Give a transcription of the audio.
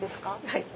はい。